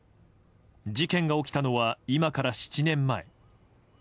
事件が起きたのは今から７年前。